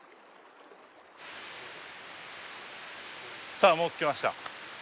さあもう着きました。